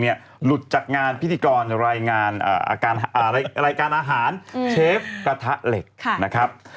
หลุดจากงานพิธีกรรายงานรายการอาหารเชฟกระทะเหล็กนะครับ